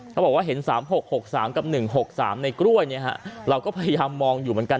เขาบอกว่าเห็น๓๖๖๓กับ๑๖๓ในกล้วยเราก็พยายามมองอยู่เหมือนกัน